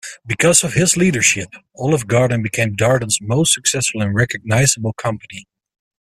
Because of his leadership, Olive Garden became Darden's most successful and recognizable company.